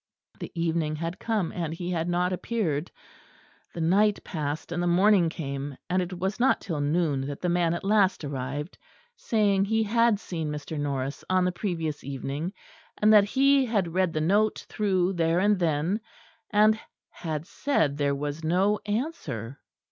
The evening had come, and he had not appeared. The night passed and the morning came; and it was not till noon that the man at last arrived, saying he had seen Mr. Norris on the previous evening, and that he had read the note through there and then, and had said there was no answer.